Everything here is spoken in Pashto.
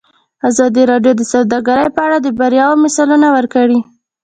ازادي راډیو د سوداګري په اړه د بریاوو مثالونه ورکړي.